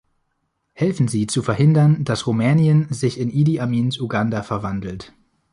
Helfen Sie, zu verhindern, dass Rumänien sich in Idi Amins Uganda verwandelt.